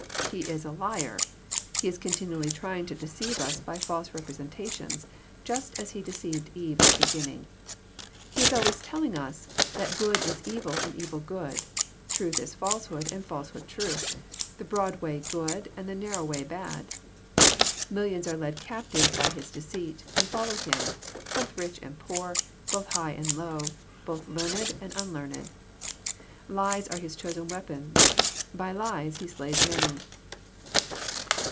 — He is a liar! He is continually trying to deceive us by false represen tations, just as he deceived Eve at the beginning. He is always telling us that good is evil and evil good, — truth is falsehood and falsehood truth, — the bi oad way good and the narrow way bad. Millions are led captive by his deceit, and follow him, both rich and poor, both high and low, both learned and unlearned. Lies are his chosen weapons. By lies he slays many.